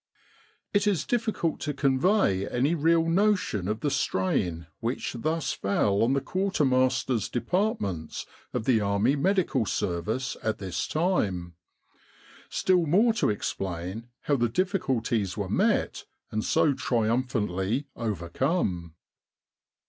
It is difficult to convey any real notion of the strain which thus fell on the quartermasters' departments of the Army Medical Service at this time : still more to explain how the difficulties were met and so triumphantly overcome.